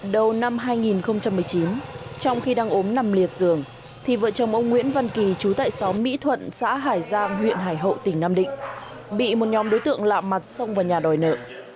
đầu năm hai nghìn một mươi chín trong khi đang ốm nằm liệt dường thì vợ chồng ông nguyễn văn kỳ chú tại xóm mỹ thuận xã hải giang huyện hải hậu tỉnh nam định bị một nhóm đối tượng lạ mặt xông vào nhà đòi nợ